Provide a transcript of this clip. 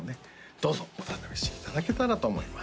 どうぞお試しいただけたらと思います